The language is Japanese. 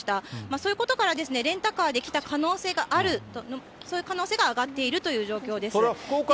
そういうことから、レンタカーで来た可能性があると、そういう可能性が上がっているという状況です。